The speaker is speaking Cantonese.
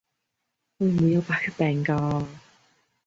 會唔會有白血病㗎？